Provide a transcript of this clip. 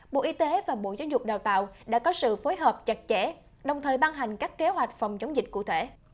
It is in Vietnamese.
bộ y tế và bộ giáo dục đào tạo đã có sự phối hợp chặt chẽ đồng thời ban hành các kế hoạch phòng chống dịch cụ thể